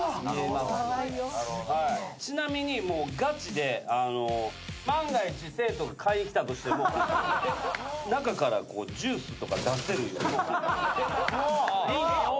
ちなみにもうガチで万が一生徒が買いに来たとしても中からジュースとか出せるように。